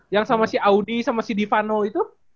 yang sama si audi sama si divano itu